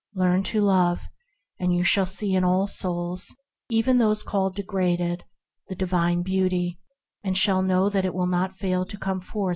Learn to love, and you shall see in all souls, even those called degraded, the Divine Beauty, and shall know that it will not fail to come forth.